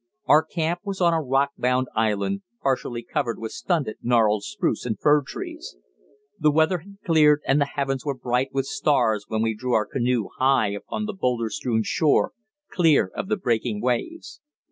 Our camp was on a rock bound island, partially covered with stunted gnarled spruce and fir trees. The weather had cleared and the heavens were bright with stars when we drew our canoe high upon the boulder strewn shore, clear of the breaking waves.